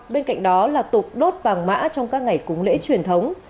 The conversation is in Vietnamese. bên cạnh đó là tục đốt vàng mã trong các ngày cúng lễ truyền thống